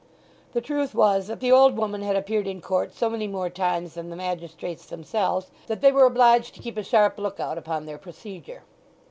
The truth was that the old woman had appeared in court so many more times than the magistrates themselves, that they were obliged to keep a sharp look out upon their procedure.